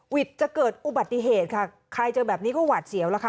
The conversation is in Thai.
วิทย์จะเกิดอุบัติเหตุค่ะใครเจอแบบนี้ก็หวาดเสียวแล้วค่ะ